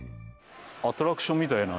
アトラクションみたいな。